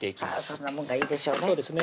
そんなもんがいいでしょうね